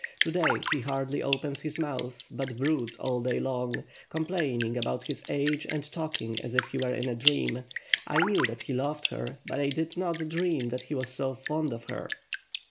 To day, he hardly opens his mouth, but broods all day long; complaining about his age and talking as if he were in a dream. I knew that he loved her, but I did not dream that he was so fond of her."